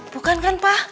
bukan kan pa